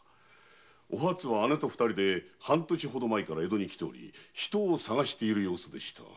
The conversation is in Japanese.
おはつは姉と二人で半年前から江戸に来て人を捜している様子でしたが。